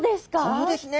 そうですね。